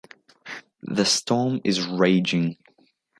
The storm is raging.